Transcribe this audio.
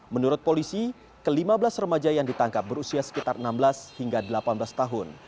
menurut polisi ke lima belas remaja yang ditangkap berusia sekitar enam belas hingga delapan belas tahun